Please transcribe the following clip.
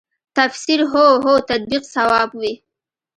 تفسیر هو هو تطبیق صواب وي.